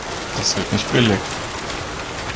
Das wird nicht billig.